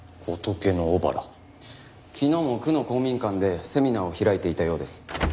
昨日も区の公民館でセミナーを開いていたようです。